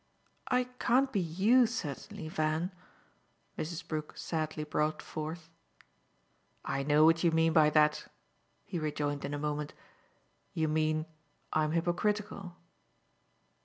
"I can't be YOU certainly, Van," Mrs. Brook sadly brought forth. "I know what you mean by that," he rejoined in a moment. "You mean I'm hypocritical."